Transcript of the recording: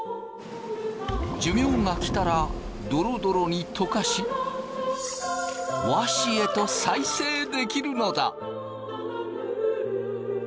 寿命がきたらドロドロに溶かし和紙へと再生できるのだ。